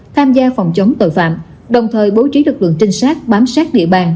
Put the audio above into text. tham gia phòng chống tội phạm đồng thời bố trí lực lượng trinh sát bám sát địa bàn